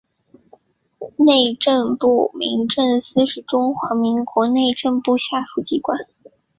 内政部民政司是中华民国内政部下属机关。